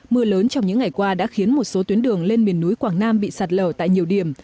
mưa lớn trong những ngày qua đã khiến một số tuyến đường lên miền núi quảng nam bị sạt lở tại nhiều điểm